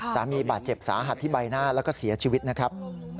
สามีบาดเจ็บสาหัสที่ใบหน้าแล้วก็เสียชีวิตนะครับ